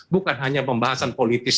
bukan hanya pembahasan politis